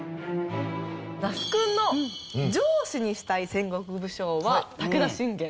那須君の上司にしたい戦国武将は武田信玄。